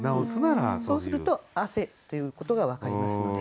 そうすると「汗」ということが分かりますので。